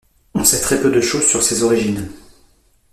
On sait très peu de choses sur ses origines.